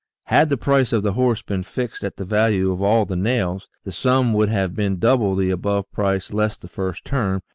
Had the price of the horse been fixed at the value of all the nails, the sum would have been double the above price less the first term